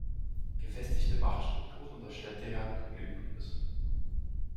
Gefestigte Machtstrukturen und der Schlendrian tun ihr Übriges.